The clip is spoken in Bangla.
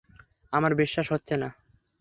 আমার বিশ্বাস হচ্ছে না।